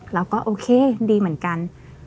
เราก็โอเคดีเหมือนกัน